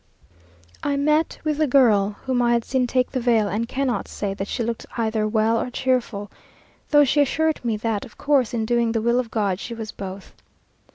I met with the girl whom I had seen take the veil, and cannot say that she looked either well or cheerful, though she assured me, that "of course, in doing the will of God," she was both.